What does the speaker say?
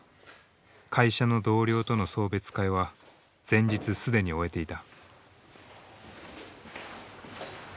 会社の同僚との送別会は前日既に終えていた。